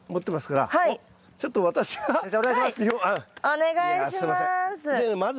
お願いします。